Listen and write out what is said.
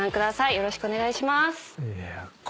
よろしくお願いします。